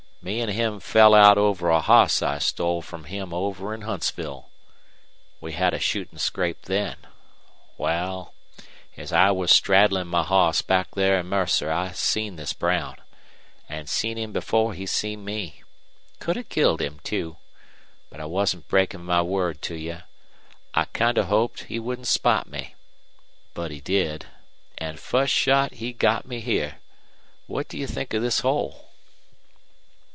"Me an' him fell out over a hoss I stole from him over in Huntsville. We had a shootin' scrape then. Wal, as I was straddlin' my hoss back there in Mercer I seen this Brown, an' seen him before he seen me. Could have killed him, too. But I wasn't breakin' my word to you. I kind of hoped he wouldn't spot me. But he did an' fust shot he got me here. What do you think of this hole?"